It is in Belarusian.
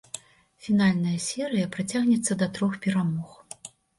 Фінальная серыя працягнецца да трох перамог.